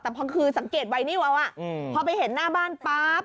แต่พอคือสังเกตไวนิวเอาพอไปเห็นหน้าบ้านปั๊บ